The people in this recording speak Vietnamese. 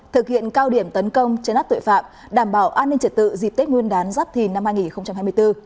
thực hiện cao điểm tấn công chấn áp tội phạm đảm bảo an ninh trật tự dịp tết nguyên đán giáp thìn năm hai nghìn hai mươi bốn